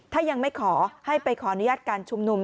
ถ้ายังไม่ขอให้ไปขออนุญาตการชุมนุม